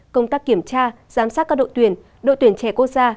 công tác kiểm tra giám sát các đội tuyển đội tuyển trẻ quốc gia